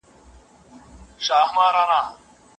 پورته غر کښته ځنګل وي شین سهار د زرکو شخول وي